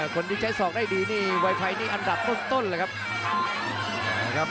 คนดีใจศอกได้ดีนี่ไวไฟอันดับต้นล่ะครับ